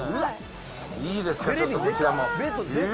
いいですか、ちょっとこちらも。